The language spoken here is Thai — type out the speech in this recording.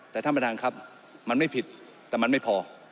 แต่ท่านประธานครับมันไม่ผิดแต่มันไม่พอ